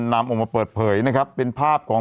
นำออกมาเปิดเผยนะครับเป็นภาพของ